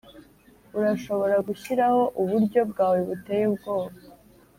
urashobora gushiraho uburyo bwawe buteye ubwoba?